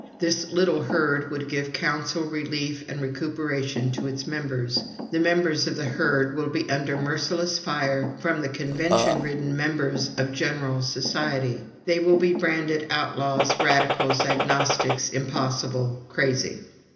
This little Herd would give council, relief, and recuperation to its members. The members of the Herd will be under merciless fire from the convention ridden members of general society. They will be branded outlaws, radicals, agnostics, impossible, crazy.